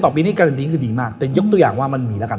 ๑๐ต่อปีนี่การันตีไม่ดีมากแต่ยกตัวอย่างมันมีละกัน